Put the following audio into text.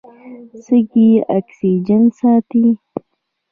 سږي اکسیجن ساتي.